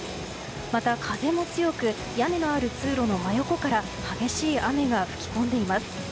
また風も強く屋根のある通路の真横から激しい雨が吹き込んでいます。